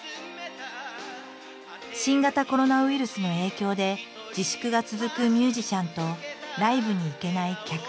新型コロナウイルスの影響で自粛が続くミュージシャンとライブに行けない客。